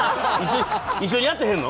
一緒にやってへんの？